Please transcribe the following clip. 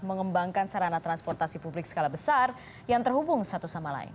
mengembangkan sarana transportasi publik skala besar yang terhubung satu sama lain